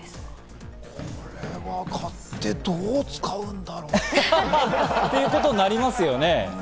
買ってどう使うんだろう？っていうことになりますよね。